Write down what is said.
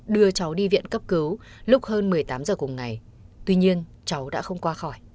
đưa cháu đi viện cấp cứu lúc hơn một mươi tám h cùng ngày tuy nhiên cháu đã không qua khỏi